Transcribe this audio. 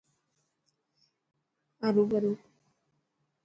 هرو برو.